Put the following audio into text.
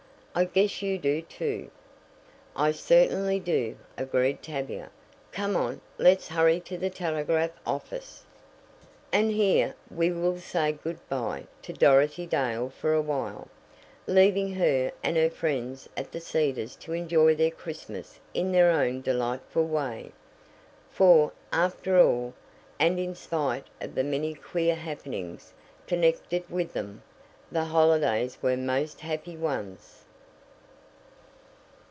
I guess you do, too." "I certainly do," agreed Tavia. "Come on, let's hurry to the telegraph office." And here we will say good by to Dorothy Dale for a while, leaving her and her friends at The Cedars to enjoy their Christmas in their own delightful way. For, after all, and in spite of the many queer happenings connected with them, the holidays were most happy ones.